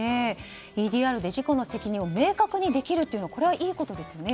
ＥＤＲで事故の責任を明確にできるというのはこれはいいことですよね